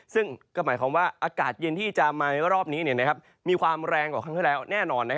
ซึ่งก็หมายความว่าอากาศเย็นที่จะมาในรอบนี้มีความแรงกว่าครั้งที่แล้วแน่นอน